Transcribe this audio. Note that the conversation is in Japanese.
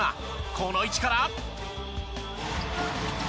この位置から。